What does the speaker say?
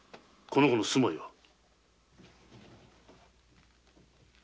この子の住まいは？